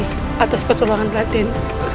terima kasih atas pertolongan raden